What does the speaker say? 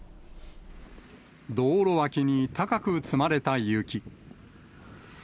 道路脇に高く積まれた雪。